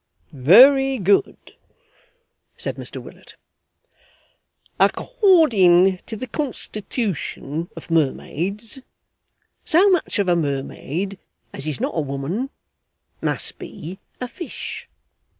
'Very good,' said Mr Willet. 'According to the constitution of mermaids, so much of a mermaid as is not a woman must be a fish.